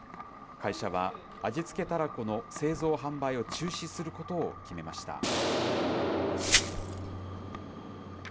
会社は、味付けたらこの製造・販売を中止することを決めました。